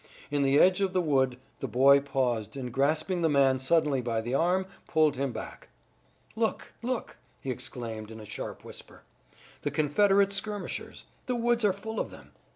In the edge of the wood the boy paused and grasping the man suddenly by the arm pulled him back. "Look! Look!" he exclaimed in a sharp whisper. "The Confederate skirmishers! The woods are full of them!